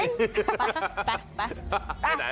ไปไป